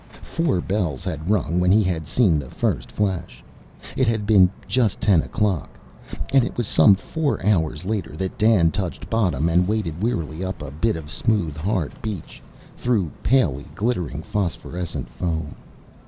Four bells had rung when he had seen the first flash; it had been just ten o'clock. And it was some four hours later that Dan touched bottom and waded wearily up a bit of smooth hard beach, through palely glittering phosphorescent foam.